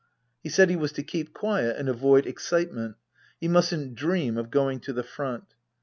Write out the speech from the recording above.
He said he was to keep quiet and avoid excitement. He mustn't dream of going to the Front.